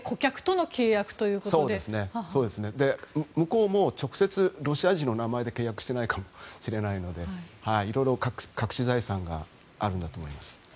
向こうも直接、ロシア人の名前で契約していないかもしれないのでいろいろ隠し財産があるんだと思います。